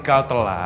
satu dua tiga